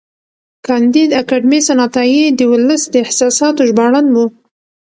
کانديد اکاډميسن عطایي د ولس د احساساتو ژباړن و.